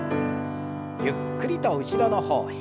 ゆっくりと後ろの方へ。